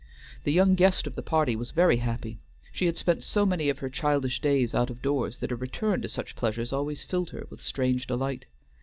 The young guest of the party was very happy; she had spent so many of her childish days out of doors that a return to such pleasures always filled her with strange delight.